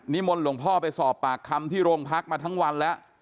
มนต์หลวงพ่อไปสอบปากคำที่โรงพักมาทั้งวันแล้ว